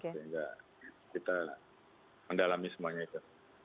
sehingga kita mendalami semuanya itu